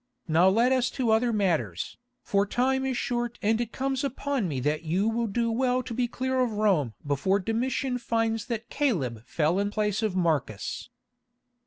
"Now let us to other matters, for time is short and it comes upon me that you will do well to be clear of Rome before Domitian finds that Caleb fell in place of Marcus."